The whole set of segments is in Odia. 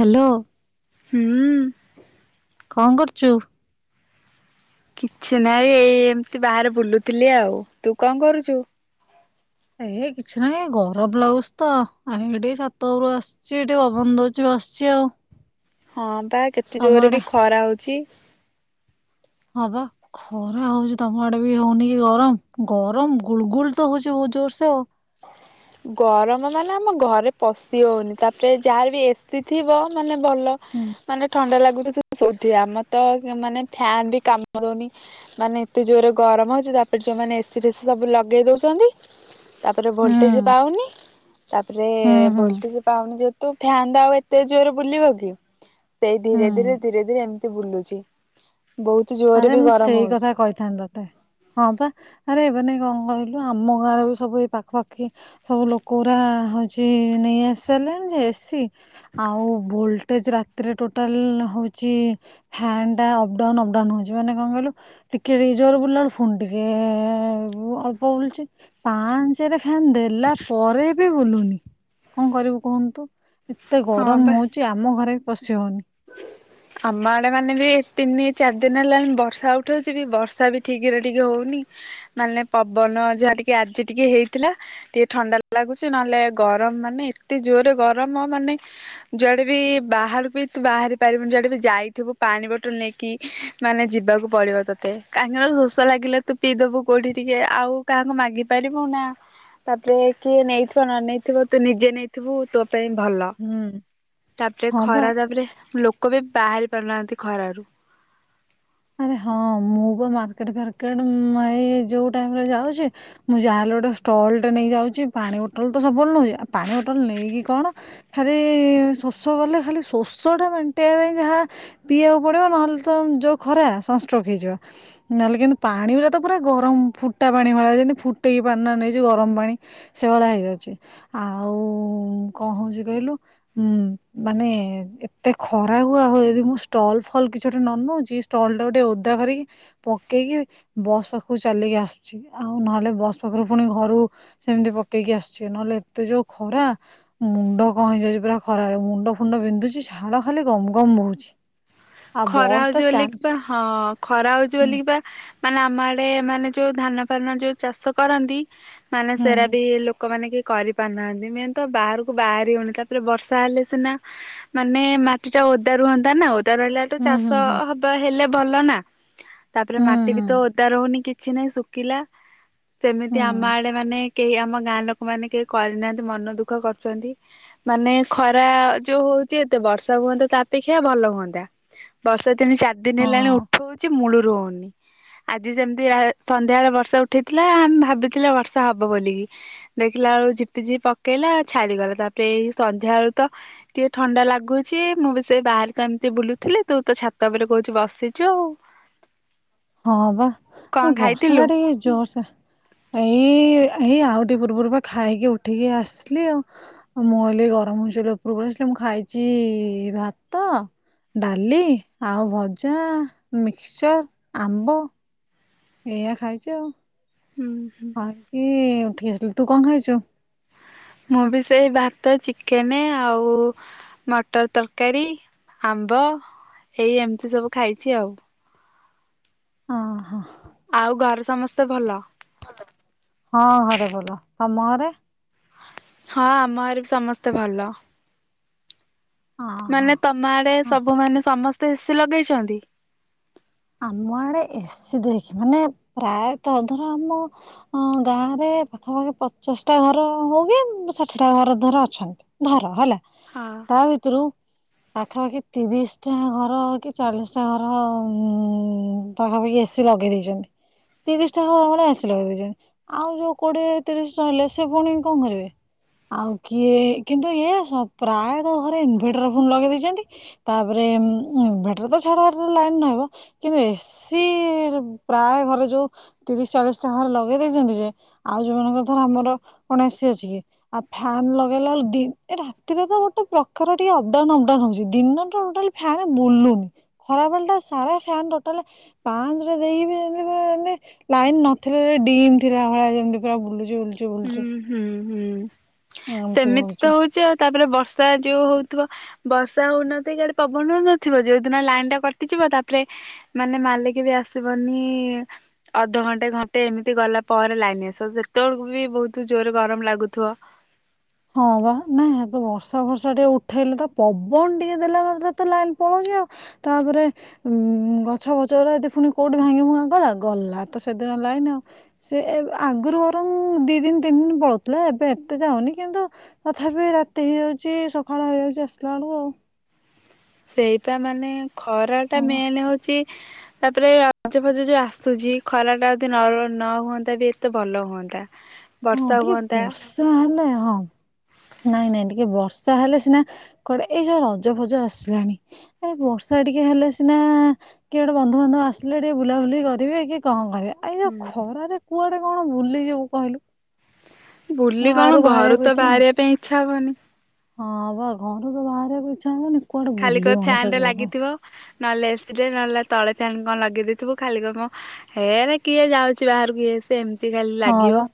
ହ୍ୟାଲୋ ହୁଁ କଣ କରୁଛୁ କିଛି ନାଇଁ ଏଇ ଏମିତି ବାହାରେ ବୁଲୁଥିଲି ଆଉ ତୁ କଣ କରୁଛୁ? ଏ କିଛି ନହିଁ ଗରମ ଲାଗୁଛି ତ ଆ ଟିକେ ସାତ ଘରୁ ଆସିଛି ଟିକେ ଅବନ ଦଉଛି ବସିଛି ଆଉ ହଁ ବା କେତେ ତମ ଜୋରେ ଆଡେ ବି ଖରା ହଉଛି ହଁବା ଖରା ହଉଛି ତମ ଆଡେ ବି ହଉନି କି ଗରମ ଗରମ ଗୁଳ ଗୁଳ ତ ହଉଛି ବହୁତ ଜୋରସେ ଆଉ ଗରମ ମାନେ ଆମ ଘରେ ପଶି ହଉନି ତାପରେ ଯାହାର ବି ଏସି ଥିବ ମାନେ ଭଲ ହୁଁ ମାନେ ଥଣ୍ଡା ଲାଗୁଛି। ସୁଧ ଆମର ତ ମାନେ ଫାନ ବି କାମ ଦଉନି ମାନେ ଏତେ ଜୋରରେ ଗରମ ହଉଛି ତାପରେ ଯୋଉମାନେ ଏସି ଫସି ସବୁ ଲଗେଇ ଦଉଛନ୍ତି। ତାପରେ ହୁଁ ଭୋଲଟେଜ ପାଉନି ତାପରେ ହୁଁ ହୁଁ। ଭୋଲଟେଜ୍ ପାଉନି ଯେହେତୁ ଫ୍ୟାନ୍ ଟା ଆଉ ଏତେ ଜୋରେ ବୁଲିବ କି? ସେ ଧୀରେ ହୁଁ। ଧୀରେ ଧୀରେ ଏମିତି ବୁଲୁଛି ବହୁତ ଜୋରରେ ଆରେ ବି ମୁଁ ଗରମ ସେଇ ହଉଛି। କଥା କହିଥାନ୍ତ ତତେ ହଁ ବା ଆରେ ଏବେ ନାଇ କଣ କହିଲୁ ଆମ ଗାଁରେ ବି ସବୁ ଏ ପାଖାପାଖି ସବୁ ଲୋକ ରା ହେଉଚି ନେଇ ଆସିଲେଣି ଯେ ଏସି ଆଉ ବୋଲଟ ତେ ରାତିରେ ଟୋଟାଲ ହଉଛି ଫ୍ୟାନ୍ ଟା ଅପଡାଉନ୍ ଅପଡାଉନ୍ ହଉଛି। ଯୋଉ ମାନେ କଣ କହିଲୁ ଟିକେ ରେଜର ବୁଲିଲା ବେଳେ ଫୁନ ଟିକେ ଅଳ୍ପ ବୁଲୁଚି ପାଞ୍ଚାର ଫ୍ୟାନ ଦେଲା ପରେ କେ ବୁଲୁନି କଣ କରିବୁ କହୁନୁ ତୁ ଏତେ ହଁ ଗରମ ବା। ହଉଛି ଆମ ଘରେ ପଶି ହୋଉନି ଆମ ଆଡେ ମାନେ ବି ତିନି ଚାରି ଦିନ ହେଲାଣି ବର୍ଷା ଉଠଉଛି ବି ବର୍ଷା ବି ଠିକରେ ଟିକେ ହଉନି ମାନେ ପବନ ଯାହା ଟିକେ ଆଜି ଟିକେ ହେଇଥିଲା ଟିକେ ଥଣ୍ଡା ଲାଗୁଛି ନହେଲେ ଗରମ ମାନେ ଏତେ ଜୋରରେ ଗରମ ମାନେ ଯୁଆଡେ ବି ବାହାରୁ ବି ତୁ ବାହାରି ପାରିବୁନି ଯଡେ ବି ଯାଇଥିବୁ ପାଣି ବୋଟଲ ନେଇକି ମାନେ ଯିବାକୁ ପଡିବ ତୋତେ କାହିଁକିନା ଶୋଷ ଲାଗିଲା ତୁ ପିଇଦବୁ କୋଉଠି ଟିକେ ଆଉ କାହାକୁ ମାଗି ପାରିବୁ ନା ତାପରେ କିଏ ନେଇଥିବ ନ ନେଇେଥିବ ତୁ ନିଜେ ନେଇଥିବୁ ତୁ ପାଇଁ ଭଲ ହୁଁ ତାପରେ ହଁ ବା ଖରା ତାପରେ ଲୋକ ବି ବାହାରି ପାରୁନାହାନ୍ତି ଖରାରୁ ଆରେ ହଁ ମୁଁ ତ ମାର୍କେଟ ଫାର୍କେଟ ଯୋଉ ଟାଇମରେ ଯାଉଛି ମୁଁ ଯାହାହେଲେ ଗୋଟେ ଷ୍ଟଲ ଟେ ନେଇ ଯାଉଛି ପାଣି ବୋଟଲ ତ ସବୁବେ ନଉଛି ପାଣି ବୋଟଲ ନେଇକି କଣ ଖାଲି ଶୋଷ କଲେ ଖାଲି ଶୋଷ ଟା ମେଣ୍ଟେଇବା ପାଇଁ ଯାହା ପିଇବାକୁ ପଡିବ ନହେଲେ ତ ଯୋଉ ଖରା ସଂଷ୍ଟକ୍ ହେଇଯିବା ନହେଲେ କିନ୍ତୁ ପାଣି ଗୁଡା ତ ପୁରା ଗରମ ଫୁଟା ପାଣି ଭଳି ଯେମିତି ଫୁଟେଇକି ପାଣି ନେଇଛି ଗରମ ପାଣି ସେଭଳିଆ ହେଇଯାଉଛି ଆଉ କଣ ହଉଛି କହିଲୁ ଉଁ ମାନେ ଏତେ ଖରା ହୁଆ ହୁଏ ଯଦି ମୁଁ ଷ୍ଟଲ ଫଲ କିଛି ଗୋଟେ ନ ନେଉଛି। ଷ୍ଟଲ ଟା ଟିକେ ଓଦା କରିକି ପକେଇକି ବସ୍ ପାଖକୁ ଚାଲିକି ଆସୁଛି ଆଉ ନହେଲେ ବସ୍ ପାଖରୁ ପୁଣି ଘରୁ ସେମିତି ପକେଇକି ଆସୁଛି ନହେଲେ ଏତେ ଯୋଉ ଖରା ମୁଣ୍ଡ କ ହେଇଯାଉଛି ପୁରା ଖରାାରେ ମୁଣ୍ଡ ଫୁଣ୍ଡ ବିନ୍ଧୁଛି ଝାଳ ଖାଲି ଗମ ଗମ ବହୁଛି। ଆଉ ଖରା ବସ ହଉଛି ଟା ବୋଲି ଚାନ୍ କିବା ହଁ ଖରା ହଉଛି ବୋଲିିକିବା ମାନେ ଆମ ଆଡେ ମାନେ ଯୋଉ ଧାନ ଫାନ ଯୋଉ ଚାଷ କରନ୍ତି। ମାନେ ହୁଁ ସେରା ବି ଲୋକମାନେ କି କରିପାରୁନାହାନ୍ତି ମେନ୍ ତ ବାହାରକୁ ବାହାରି ହଉନି। ତାପରେ ବର୍ଷା ହେଲେ ସିନା ମାନେ ମାଟି ଟା ଓଦା ରୁହନ୍ତା ନା ଓଦା ରହିଲାଠୁ ହୁଁ ଚାଷ ହୁଁ ହୁଁ ହବ ହେଲେ ଭଲ ନା। ତାପରେ ହୁଁ ମାଟି ବି ହୁଁ ତ ଓଦା ରହୁନି କି କିଛି ନାହିଁ ଶୁଖିଲା। ସେମିତି ଆମ ହୁଁ ଆଡେ ମାନେ କେହି ଆମ ଗାଁ ଲୋକମାନେ କେହି କରିନାହାନ୍ତି ମନ ଦୁଃଖ କରୁଛନ୍ତି। ମାନେ ଖରା ଯୋଉ ହଉଛି ଏତେ ବର୍ଷା ହୁଅନ୍ତା ତା ଅପେକ୍ଷା ଭଲ ହୁଅନ୍ତା। ବସ୍ ତ ତିନି ଚାରି ଦିନ ହଁ ହେଲାଣି ଉଠଉଛି ମୁଳୁ ରହୁନି ଆଜି ଯେମିତି ଆ ସନ୍ଧ୍ୟା ବଳେ ବର୍ଷା ଉଠେଇଥିଲା ଆମେ ଭାବିଥିଲେ ବର୍ଷା ହବ ବୋଲିକି। ଦେଖିଲା ବେଳୁ ଝିପିଝିପି ପକେଇଲା ଛାଡିଗଲା। ତାପରେ ଏଇ ସନ୍ଧ୍ୟା ବେଳୁ ତ ଟିକେ ଥଣ୍ଡା ଲାଗୁଛି ମୁଁ ବି ସେ ବାହାରକୁ ଏମିତି ବୁଲୁଥିଲି। ତୁ ତ ଛାତ ଉପରେ କହୁଛୁ ବସିଛୁ ଆଉ ହଁ ବା କଣ ବର୍ଷା ଟା ଖାଇଥିଲୁ? ଟିକେ ଜୋରସେ ଏଇ ଏଇ ଆଉ ଟିକେ ପୂର୍ବରୁ ବା ଖାଇକି ଉଠିକି ଆସିଲି ଆଉ। ମୁଁ ହେଲି ଗରମ ହେଉଛି ଉପରକୁ ପଳେଇ ଆସିଲ। ମୁଁ ଖାଇଛି ଭାତ, ଡାଲି, ଆଉ ଭଜା, ମିକ୍ସଚର ଆମ୍ବ ଏଆ ଖାଇଛି ଆଉ ହୁଁ ହୁଁ। ବାକିି ଉଠି ଆସ୍ କି ତୁ କଣ ଖାଇଛୁ? ମୁଁ ବି ସେଇ ଭାତ, ଚିକେନ ଆଉ ମଟର ତରକାରୀ, ଆମ୍ବ ଏଇ ଏମିତି ସବୁ ଖାଇଛି ଆଉ ହଁ ହ। ଆଉ ଘରେ ସମସ୍ତେ ଭଲ? ହଁ ଘରେ ଭଲ। ତମ ଘରେ? ହଁ ଆମ ଘରେ ବି ସମସ୍ତେ ଭଲ। ଅହ ମାନେ ତମ ଆଡେ ସବୁମାନେ ସମସ୍ତେ ଏ ସି ଲଗେଇଛନ୍ତି? ଆମ ଆଡେ ଏ ସିି ଦେଇକି ମାନେ ପ୍ରାୟତଃ ଧର ଆମ ଅ ଗାଁରେ ପାଖାପାଖି ପଚାଶଟା ଘର ହଉ କି ଷାଠିଟା ଘର ଧର ଅଛନ୍ତି। ଧର ହେଲା ହଁ ତା ଭିତରୁ ପାଖାପାଖି ତିରିଶ ଟା ଘର କି ଚାଳିଶ ଟା ଘର ଉଁ-ଉ-ଉ ପାଖାପାଖି ଏ ସି ଲଗେଇ ଦେଇଛନ୍ତି। ତିରିଶଟା ଘର ଭଳିଆ ଏ ସି ଲଗେଇ ଦେଇଛନ୍ତି। ଆଉ ଯୋଉ କୋଡିଏ ତିରିଶ ରହିଲେ ସେ ପୁଣି କଣ କରିବେ। ଆଉ କିଏ କିନ୍ତୁ ଇଏ ସ ପ୍ରାୟତଃ ଘରେ ଇନଭେଟର ଫୁନ୍ ଲଗେଇ ଦେଇେଇଛନ୍ତି। ତାପରେ ଇନଭଟର ତ ଛାଡ଼ ଲାଇନ୍ ରହିବ। କିନ୍ତୁ ଏ ସିି ପ୍ରାୟ ଘରେ ଯୋଉ ତିରିଶ ଚାଳିଶ ଟା ଘରେ ଲଗେଇ ଦେଇଛନ୍ତି ଯେ, ଆଉ ଯୋଉ ମାନଙ୍କର ଧର ଆମର କଣ ଏ ସି ଅଛି କି। ଆଉ ଫ୍ୟାନ୍ ଲଗେଇଲା ବେଳେ ଦି ଏ ରାତିରେ ତ ଗୋଟେ ପ୍ରକାର ଟିକେ ଅପଡାଉନ୍ ଅପଡାଉନ୍ ହଉଛି। ଦିନଟା ଟୋଟାଲ୍ ଫ୍ୟାନ ବୁଲୁନି ଖରାବେଳ ଟା ସାରା ଫ୍ୟାନ୍ ଟୋଟାଲ ପାଞ୍ଚରେ ଦେଇକି ବି ଯେମିତି କି ଯେମିତି ଲାଇନ ନଥିଲେ ଡିମ୍ ଥିଲା ଭଳିଆ ଯେମିତି ପୁରା ବୁଲୁ ଯି ବୁଲୁଛି ବୁଲୁଛି ହୁଁ ହୁଁ ହୁଁ। ସେମିତି ତ ହଉଛି ଆଉ ତାପରେ ବର୍ଷ ବର୍ଷା ଯେଉ ହଉଥିବ ବର୍ଷା ହଉନାଆନ୍ତି କି ୟାଡେ ପବନ ନଥିବ। ଯୋଉ ଦିନ ଲାଇନ ଟା କଟିଯିବ ତାପରେ ମାନେ ମାଲିକ ବି ଆସିବନି ଇ-ଇ ଅଧଘଣ୍ଟେ ଘଣ୍ଟେ ଏମିତି ଗଲାପରେ ଲାଇନ ଆସିବ। ସେତେବେଳକୁ ବି ବହୁତୁ ଜୋରେ ଗରମ ଲାଗୁଥିବ? ହଁ ବା ନାଇ ଏତ ବର୍ଷା ଫର୍ଷା ଟିକେ ଉଠେଇଲେ ତ ପବନ ଟିକେ ଦେଲା ମାତ୍ରେ ତ ଲାଇନ୍ ପଳଉଛି ଆଉ। ତାପରେ ଉଁ-ଉ-ଉ ଗଛ ବଛ ଗୁରା ଦେଖୁନୁ କୋଉଠି ଭାଙ୍ଗି ଭୁଙ୍ଗା ଗଲା ଗଲା ତ ସେଦିନ ଲାଇନ ଆଉ। ସେ ଏ ଆଗରୁ ବରଂ ଦି ଦିନ ତିନି ଦିନ ପଳଉଥିଲା ଏବେ ଏତେ ଯାଉନି। କିନ୍ତୁ ତଥାପି ରାତି ହେଇଯାଉଛି ସକାଳ ହେଇଯାଉଛି ଆସିଲା ବେଳକୁ ଆଉ ସେଇଟା ମାନେ ଖରା ଟା ହଁ ବା ମେନ୍ ହଉଛି ତାପରେ ରଜ ଫଜ ଯୋଉ ଆସୁଛି ଖରା ଟା ଯଦି ନ ନ ହୁଅନ୍ତା ବି ଏତେ ଭଲ ହୁଅନ୍ତା। ହଁ ବର୍ଷା ଟିକେ ହୁଅନ୍ତା ବର୍ଷା ହେଲେ ହଁ ନାଇଁ ନାଇଁ ଟିକେ ବର୍ଷା ହେଲେ ସିନା କୁଆଡେ ଏଇ ଯୋଉ ରଜ ଫଜ ଆସିଲାଣି ଏ ବର୍ଷା ଟିକେ ହେଲେ ସିନା କିଏ ଗୋଟେ ବନ୍ଧୁବାନ୍ଧବ ଆସିଲେ ଟିକେ ବୁଲାବୁଲି କରିବେ କିଏ କଣ କରିବେ ଏଇ ଯୋଉ ଖରାରେ କୁଆଡେ କଣ ବୁଲି ଯିବୁ କହିଲୁ। ବୁଲି କଣ ବାହାରୁ ଘରୁ ବାହାରିବାକୁ ତ ଇଚ୍ଛା ହଉନି। ବାହାରିବା ପାଇଁ ଇଚ୍ଛା ହବନି ହଁ ବା ଘରୁ ତ ବାହାରିବାକୁଛାଣିବନି ଖାଲି କହିବ ଫ୍ୟାନରେ ଲାଗିଥିବ ନହେଲେ ଏସି ଟେ ନହେଲେ ତଳେ ଫ୍ୟାନ କଣ ଲଗେଇ ଦେଇେଇଥିବୁ ଖାଲି କହିବୁ ମୋ ହେରେ କିଏ ଯାଉଛି ବାହାରାରୁକୁ ଇଏ ସେ ଏମତି ତି ଖାଲି ହଁ ଲାଗିବ ବା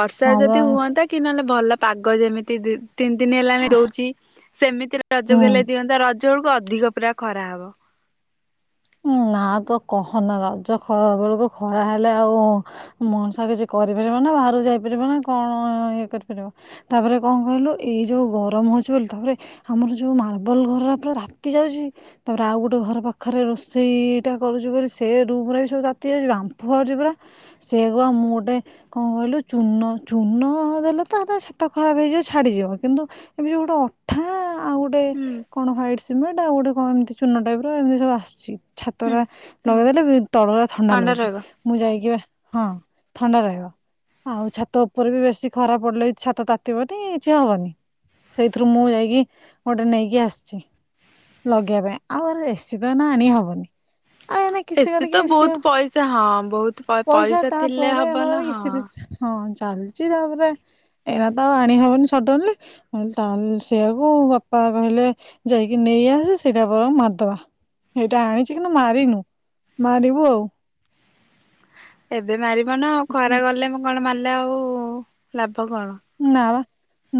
ବର୍ଷା ହଁ ବା ଯଦି ହୁଅନ୍ତା କି ନହେଲେ ଭଲ ପାଗ ଯେମିତି ଦି ତିନି ଦିନି ହେଲାଣି ଦଉଛି ସେମିତି ରଜକୁ ହୁଁ ହେଲେ ତ ରଜ ବେଳକୁ ଅଧିକ ପୁରା ଖରା ହବ ନା ତୁ କହନା ରଜ ବେଳକୁ ଖରା ହେଲେ ଆଉ ମଣିସ କିଛି କରିପାରିବ ନା ବାହହାରକୁ ଯାଇପାରିବ ନା କଣ ଇଏ କରିପାରିବ ତାପରେ କଣ କହିଲୁ ଏଇ ଯୋଉ ଗରମ ହଉଛି ବୋଲି ତାପରେ ଆମର ଯୋଉ ମାର୍ବଲ ଘର ପୁରା ତାତି ଯାଉଛି ତାପରେ ଆଉ ଗୋଟେ ଘର ପାଖରେ ରୋସେଇ ଟା କରୁଛି ବୋଲି ସେ ରୁ୍ମରେ ବି ସବୁ ତାତି ଯାଉଛି ବାମ୍ଫ ବାହାରୁଛି ପୁରା ସେ କ ମୁଁ ଗୋଟେ କଣ କହିଲୁ ଚୂନ ଚୂନ ଦେଲେ ତା ଛାତ ଖରାପ ହେଇଯିବ ଛାଡ଼ିଯିବ କିନ୍ତୁ ଏମିତି ଯଉ ଗୋଟେ ଅଠା ଆଉ ଗୋଟେ ହୁଁ କଣ ୱାଇଟ ସିମେ ଣ୍ଟ ଆଉ ଗୋଟେ କଣ ଏମିତି ଚୁନ ଟାଇପ ର ଏମିତି ସବୁ ଆସୁଛି। ଛି ଛାତ ହୁଁ। ଉରା ହୁଁ ଲଗେଇଦେଲେ ତଳ ଉରା ଥଣ୍ଡା ଲାଗୁଛି ମୁଁ ଯାଇକିବା ହଁ ଥଣ୍ଡା ରହିବ ଆଉ ଛାତ ଉପରେ ବି ବେଶୀ ଖରାପ ପଡିଲେ ଛାତ ତାତିିବନି କିଛି ହବନି ସେଇଥିରୁ ମୁଁ ଯାଇକି ଗୋଟେ ନେଇକି ଆସିଛି ଲଗେଇବା ପାଇଁ ଆଉ ଏସି ତ ଆଣି ହବନି ଆଉ ଏନା କିସ୍ତି ଏତେ କରିକି ତ ଏସି ଆଉ ବହୁତ ପଇସା ହଁ ବହୁତ ପଇସା ଥିଲେ ହବନା ହଁ। ଚାଲିଚି ତାପରେ ଏଇନା ତ ଆଉ ଆଣିହବନି ସଡନଲି ତାହଲେ ସେଇଆକୁ ବାପା କହିଲେ ଯାଇକି ନେଇଆସେ ସେଇଟା ବଂର ମାରିଦବା ସେଇଟା ଆଣିଛି କିନ୍ତୁ ମାରିନି ମାରିବୁ ଆଉ। ଏବେ ମାରି ବ ନା ଆଉ ଖରା ଗଲେ ମୁଁ କଣ ମାରିଲେ ନା ଆଉ ଲାଭ ଭ କଣ ନା ବା।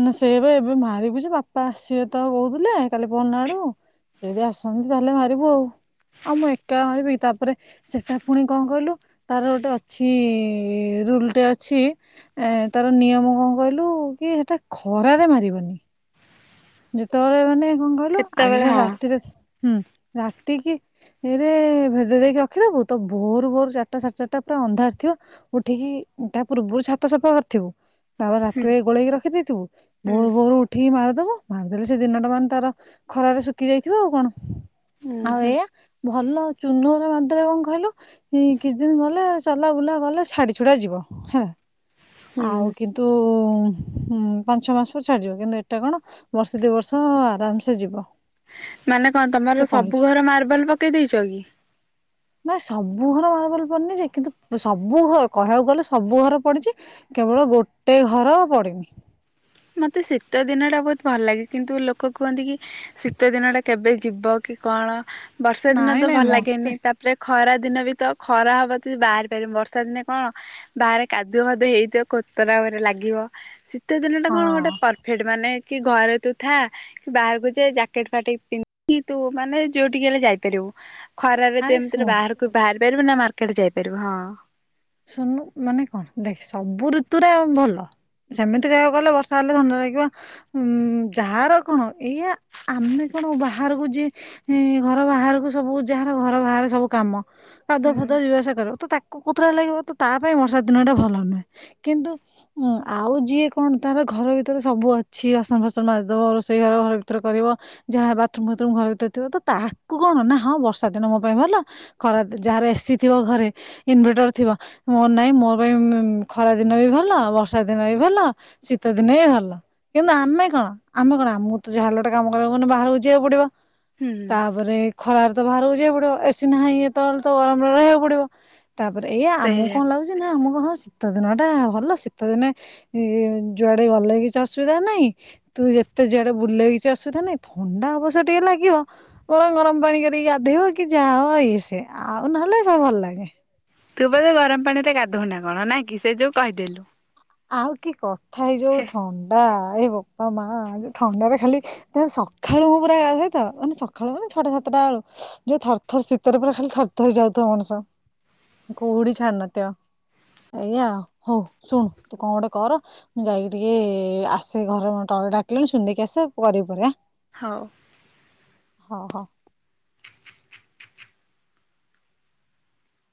ନା ସେଇଆବା ଏବେ ମାରିବୁ ଯେ ବାପା ଆସିବେ ତ କହୁଥିଲେ କାଲି ପହରଦିନ ଆଡକୁ ସେ ଯଦି ଆସନ୍ତି ତାହେଲେ ମାରିବୁ ଆଉ ଆଉ ମୁଁ ଏକା ମାରିବି ତାପରେ ସେଟା ପୁଣି କଣ କହିଲୁ ତାର ଗୋଟେ ଅଛି ରୁଲଟେ ଅଛି ଏ ତାର ନିୟମ କଣ କହିଲୁ କି ସେଟା ଖରାରେ ମାରିବନି ଯେତେବେଳେ ମାନେ କଣ କହିଲୁ କେତେବେଳେ ଆଜିଠାରୁ ହଁ ରାତିରେ ହୁଁ ରାତିକି ରେ ଭେଦେ ଦେଇକି ରଖିଦବୁ ତ ଭୋର ଭୋର ଚାରିଟା ସାଡେ ଚାରିଟା ପୁରା ଅନ୍ଧାର ଥିବ ଉଠିକି ତା ପୂର୍ବରୁ ଛାତ ସଫା କରିଥିବୁ। ତାପରେ ହୁଁ ରାତିରେ ଗୋଳେଇକି ରଖିଦେଇଥିବୁ ହୁଁ। ଭୋରୁ ଭୋରୁ ଉଠିକି ମାର ଦବ ମାରିଦେଲେ ସେ ଦିନଟା ମାନେ ତାର ଖରାରେ ଶୁଖି ଯାଇଥିବ ଆଉ କଣ। ଉୁଁ ଆଉ ହୁଁ ଏଇୟା ଭଲ ଚୁନ ରେ ମାରିଦେଲେ କଣ କହିଲୁ କିଛି ଦିନ ଗଲେ ଚଲା ବୁଲା କଲେ ଛାଡି ଛୁଡା ଯିବ ହେଲା। ଆଉ ହୁଁ କିନ୍ତୁ ହଁ ପାଞ୍ଚଛଅ ମାସ ପରେ ଛାଡିଯିବ କିନ୍ତୁ ଏଟା କଣ ବର୍ଷେ ଦି ବର୍ଷ ଆରାମ୍ ସେ ଯିବ। ମାନେ କଣ ସେ ତମର କହିଛି ସବୁ ଘର ମାର୍ବଲ ପକେଇ ଦେଇଚ କି? ନାଇଁ ସବୁ ଘର ମାର୍ବଲ ପଡ଼ିନି ଯେ କିନ୍ତୁ ସବୁ ଘର କହିବାକୁ ଗଲେ ସବୁ ଘର ପଡ଼ିଚି କେବଳ ଗୋଟେ ଘର ପଡ଼ିନି। ମୋତେ ଶୀତ ଦିନଟା ବହୁତୁ ଭଲ ଲାଗେ କିନ୍ତୁ ଲୋକ କୁହନ୍ତି କି ଶୀତ ଦିନଟା କେବେ ଯିବ କି କଣ ବର୍ଷା ଦିନ ନାଇଁ ତ ନାଇଁ ଭଲ ଲାଗେନି ମତେ ତାପରେ ଖରା ଦିନ ବି ତ ଖରା ହବ ତ ବାହାରି ପାରିବୁନି ବର୍ଷା ଦିନେ କଣ ବାହାରେ କାଦୁଅ ଫାଦୁ ହେଇଥିବ କୋତରା ଭାରି ଲାଗିବ ଶୀତ ଦିନ କଣ ଗୋଟେ ହଁ ପରଫେକ୍ଟ ମାନେ କି ଘରେ ତୁ ଥା କି ବାହାରକୁ ଯା ଜ୍ୟାକେଟ ଫାଟେ ପିନ୍ଧିକି ତୁ ମାନେ ଯୋଉ ଠିକି ହେଲେ ଯାଇପାରିବୁ। ଖରାରେ ତୁ ଆରେ ଶୁଣ ଏମିତିରେ ବାହାରକୁ ବାହାରି ପାରିବୁ ନା ମାର୍କେଟ ଯାଇପାରିବୁ ହଁ। ଶୁନୁ ମାନେ କଣ ଦେଖ ସବୁ ଋତୁରେ ଭଲ ସେମିତି କହିବାକୁ ଗଲେ ବର୍ଷା ହେଲେ ଥଣ୍ଡା ଲାଗିବ ଉ ଯାହାର କଣ ଏଇଆ ଆମେ କଣ ବାହାରକୁ ଯିଏ ଘର ବାହାରକୁ ସବୁ ଯାହାର ଘର ବାହାରେ ସବୁ କାମ କାଦୁଅ ହୁଁ। ଫାଦୁଅ ଯିବା ସିଆ କରିବୁ ତ ତାକୁ [unintelligible] କୋତରା ଲାଗିବ ତା ପାଇଁ ବର୍ଷା ଦିନ ଟା ଭଲ ନୁହେଁ କିନ୍ତୁ ଉଁ ଆଉ ଯିଏ କଣ ତାର ଘର ଭିତରେ ସବୁ ଅଛି ବାସନ ଫାସନ ମାଜିଦବ ରୋଷେଇ ଘର ଘର ଭିତରେ କରିବ ଯାହା ବାଥରୁମ୍ ଫାଥରୁମ୍ ଘର ଭିତରେ ଥିବ ତ ତାକୁ କଣ ନା ହଁ ବର୍ଷା ଦିନ ମୋ ପାଇଁ ଭଲ ଖରା ଯାହାର ଏସି ଥିବ ଘରେ ଇନଭେଟର୍ ଥିବ ମୋ ନାଇଁ ମୋ ପାଇଁ ଖରା ଦିନ ବି ଭଲ ବର୍ଷା ଦିନ ବି ଭଲ ଶୀତ ଦିନ ବି ଭଲ କିନ୍ତୁ ଆମେ କଣ ଆମେ କଣ ଆମକୁ ତ ଯାହାଲେ ଗୋଟେ କାମ କରିବାକୁ ପଡିଲେ ତ ବାହାରକୁ ଯିବାକୁ ପଡିବ। ହୁଁ ତାପରେ ଖରା ତ ବାହାରକୁ ଯିବାକୁ ପଡ଼ିବ ଏସି ନାହିଁ ଯେତଳେ ତ ଗରମରେ ରହିବାକୁ ପଡ଼ିବ ତାପରେ ପରେ ଏୟା ଆମକୁ ସେଇଆ କଣ ଲାଗୁଚିନା ଆମକୁ ହଁ ଶୀତ ଦିନ ଟା ଭଲ ଶୀତ ଦିନେ ଯୁଆଡେ ଗଲେ କିଛି ଅସୁବିଧା ନାହିଁ ତୁ ଯେତେ ଯୁଆଡେ ବୁଲେଇ କିଛି ଅସୁବିଧା ନାହିଁ ଥଣ୍ଡା ଅବଶ୍ୟ ଟିକେ ଲାଗିବ ବରଂ ଗରମ ପାଣି କରିକି ଗାଧେଇବ କି ଯାହା ହ ଇଏ ସେ ଆଉ ନହେଲେ ସବୁ ଭଲ ଲାଗେ। ତୁ ବୋଧେ ଗରମ ପାଣିରେ ଗାଧଉନା କଣ ନାଇଁ କି ସେ ଯୋଗୁ କହିଦେଲୁ। ଆଉ କି କ ଥା ଏ ଯୋଉ ଥଣ୍ଡା। ଏ ବୋପା ମା ଏ ଯୋଉ ଥଣ୍ଡାରେ ଖାଲିଲେ ସକାଳୁ ପୁରା ମୁଁ ଗାଧୁଏ ତ ସକାଳୁ ମାନେ ଛଅଟା ସାତଟା ବେଳୁ ଯୋଉ ଥରଥର ଶୀତରେ ପୁରା ଖାଲି ଥରଥର ଯାଉଥିବ ମଣିଷ କୁହୁଡି ଛାଡ଼ି ନଥିବ ଏଇଆ ହୋଉ ଶୁଣୁ। ତୁ କଣ ଗୋଟେ କର ମୁଁ ଯାଇକି ଟିକେ ଆସେ ଘରେ ତଳେ ଡାକିଳେଣି ସୁନ୍ଧେଇକି ଆସେ କରିବି ପରେ ଆ। ହଉ। ହଁ ହଁ।